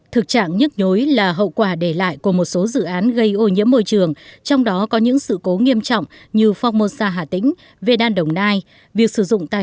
thực trạng nhất nhối là hậu quả để lại của một số dự án gây ô nhiễm môi trường trong đó có những sự cố nghiêm trọng như phong môn sa hà tĩnh vn đồng nai